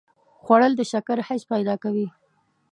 خوړل د شکر حس پیدا کوي